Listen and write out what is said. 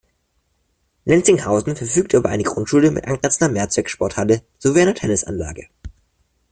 Lenzinghausen verfügt über eine Grundschule mit angrenzender Mehrzweck-Sporthalle sowie einer Tennisanlage.